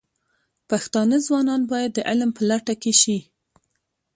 پښتانه ځوانان باید د علم په لټه کې شي.